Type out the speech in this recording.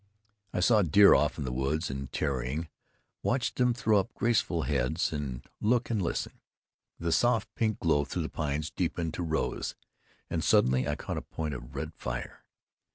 I saw deer off in the woods, and tarrying, watched them throw up graceful heads, and look and listen. The soft pink glow through the pines deepened to rose, and suddenly I caught a point of red fire.